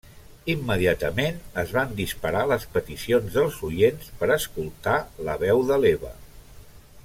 Immediatament es van disparar les peticions dels oients per escoltar la veu de l'Eva.